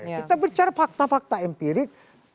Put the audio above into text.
kita bicara fakta fakta empirik